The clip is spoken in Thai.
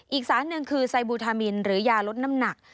อีกสารหนึ่งคือไซบูทามินหรือยาลดน้ำหนัก